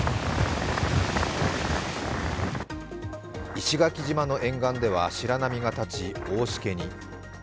石垣島の沿岸では白波が立ち、大しけに。